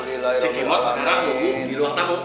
masuk ke kamar